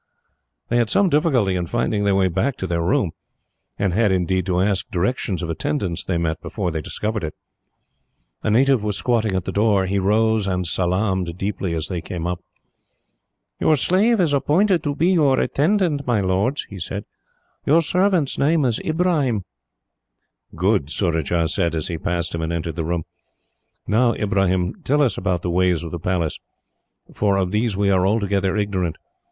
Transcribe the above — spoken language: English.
They had some difficulty in finding their way back to their room, and had, indeed, to ask directions of attendants they met before they discovered it. A native was squatting at the door. He rose and salaamed deeply, as they came up. "Your slave is appointed to be your attendant, my lords," he said. "Your servant's name is Ibrahim." "Good," Surajah said, as he passed him and entered the room. "Now, Ibrahim, tell us about the ways of the Palace, for of these we are altogether ignorant.